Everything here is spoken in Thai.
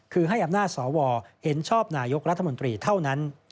คือให้อำนาจสวเห็นชอบนายกรัฐมนตรีเท่านั้น